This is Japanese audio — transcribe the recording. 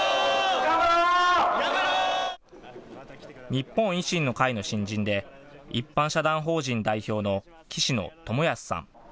日本維新の会の新人で一般社団法人代表の岸野智康さん。